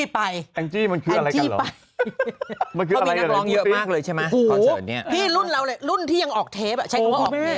พี่รุ่นถึงยังออกเทป